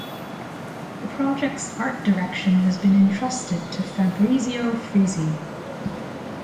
The project’s art direction has been entrusted to Fabrizio Frizzi.